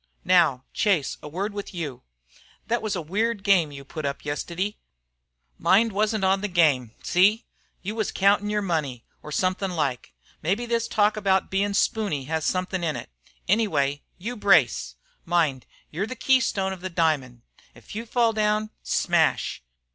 "Now, Chase, a word with you. Thet was a weird game you put up yestiddy. Mind wasn't on the game. See! You was countin' your money, or somethin' like. Mebbe this talk about your bein' spooney has somethin' in it. Anyway, you brace! Mind, you're the keystone of the diamond. If you fall down smash!